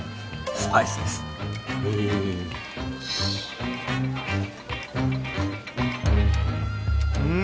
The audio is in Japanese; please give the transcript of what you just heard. スパイスですへえうん！